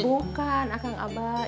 bukan akang abah